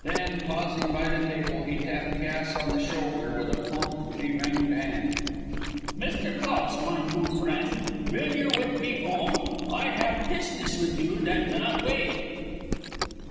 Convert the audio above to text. Then pausing by the table, he tapped Cass on the shoulder with a plump, beringed hand. "Mr. Cass, mine goot frend, vill you with me gome? I haf pisness with you that gannot wait."